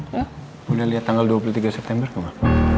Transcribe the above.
lo udah liat tanggal dua puluh tiga september ke ma